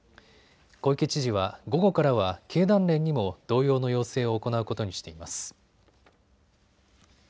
小池知事は午後からは経団連にも同様の要請を行うことにしています。